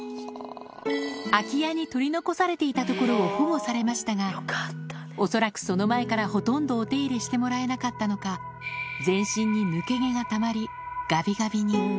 空き家に取り残されていたところを保護されましたが、恐らくその前からほとんどお手入れしてもらえなかったのか、全身に抜け毛がたまり、がびがびに。